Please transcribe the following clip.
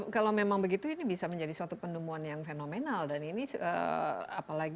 kalau memang begitu ini bisa menjadi suatu penemuan yang fenomenal dan ini apalagi